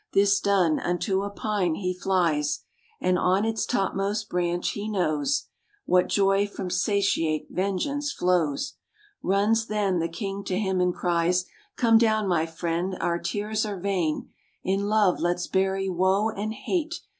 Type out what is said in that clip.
This done, unto a pine he flies, And on its topmost branch he knows What joy from satiate vengeance flows. Runs, then, the King to him, and cries, "Come down, my friend, our tears are vain; In love let's bury woe and hate.